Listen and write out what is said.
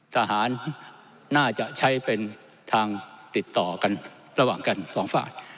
ทหารน่าจะใช้เป็นทางติดต่อกันระหว่างกันสองฝ่าย